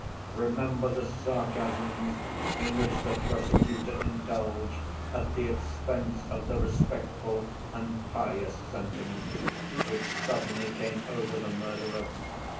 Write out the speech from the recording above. Remember the sarcasms in which the prosecutor indulged at the expense of the respectful and 'pious' sentiments which suddenly came over the murderer.